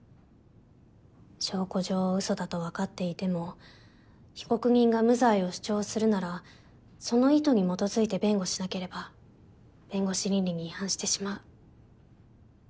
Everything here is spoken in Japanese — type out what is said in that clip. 証拠上嘘だと分かっていても被告人が無罪を主張するならその意図に基づいて弁護しなければ弁護士倫理に違反してしまう。